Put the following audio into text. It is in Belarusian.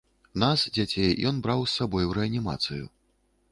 Нас, дзяцей, ён браў з сабой у рэанімацыю.